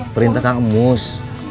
perintah kang emus